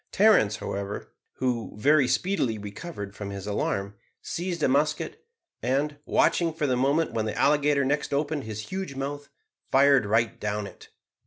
Terence, however, who very speedily recovered from his alarm, seized a musket, and, watching for the moment when the alligator next opened his huge mouth, fired right down it.